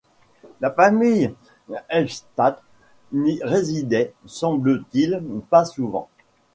La famille d’Helmstatt n’y résidait semble-t-il pas souvent.